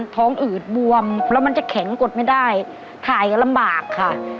อืดบวมแล้วมันจะแข็งกดไม่ได้ถ่ายก็ลำบากค่ะ